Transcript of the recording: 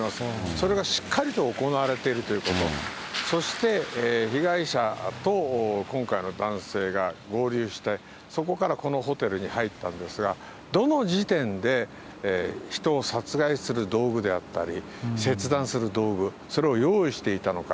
それがしっかりと行われているということ、そして被害者と今回の男性が合流して、そこからこのホテルに入ったんですが、どの時点で人を殺害する道具であったり、切断する道具、それを用意していたのか。